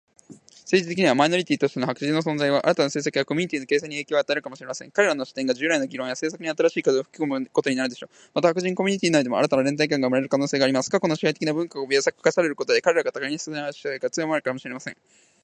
政治的には、マイノリティとしての白人の存在は、新たな政策やコミュニティの形成に影響を与えるかもしれません。彼らの視点が、従来の議論や政策に新しい風を吹き込むことになるでしょう。また、白人コミュニティ内でも、新たな連帯感が生まれる可能性があります。過去の支配的な文化が脅かされることで、彼らが互いに支え合う姿勢が強まるかもしれません。